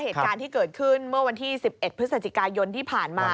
เหตุการณ์ที่เกิดขึ้นเมื่อวันที่๑๑พฤศจิกายนที่ผ่านมา